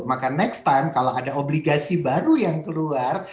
maka next time kalau ada obligasi baru yang keluar